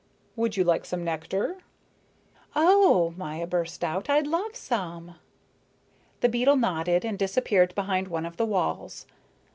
Would you like some nectar?" "Oh," Maya burst out, "I'd love some." The beetle nodded and disappeared behind one of the walls.